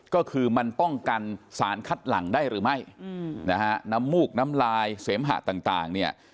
ก็คือมันป้องกันสารคัดหลังได้หรือไม่นะฮะน้ำมูกน้ำลายเสมหะต่างเนี่ย